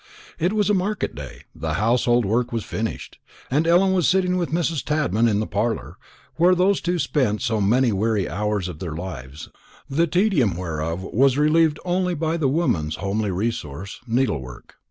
It was a market day, the household work was finished, and Ellen was sitting with Mrs. Tadman in the parlour, where those two spent so many weary hours of their lives, the tedium whereof was relieved only by woman's homely resource, needlework.